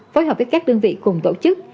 phối hợp với các đơn vị cùng tổ chức